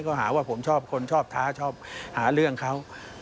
เขาหาว่าผมชอบคนชอบท้าชอบหาเรื่องเขา